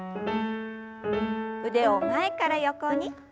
腕を前から横に。